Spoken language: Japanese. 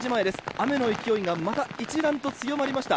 雨の勢いがまた一段と強まりました。